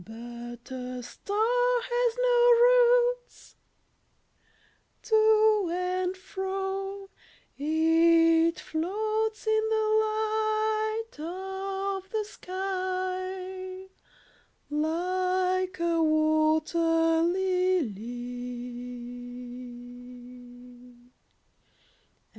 'But a star has no roots : to and fro It floats in the light of the sky, like a wat«r ]ily.